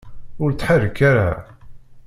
Ur ttḥerrik ara.